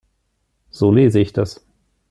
So lese ich das.